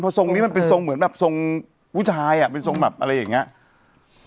ทรงนี้มันเป็นทรงเหมือนแบบทรงผู้ชายอ่ะเป็นทรงแบบอะไรอย่างนี้